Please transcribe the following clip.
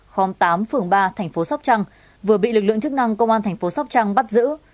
khóm tám phường ba thành phố sóc trăng vừa bị lực lượng chức năng công an thành phố sóc trăng bắt giữ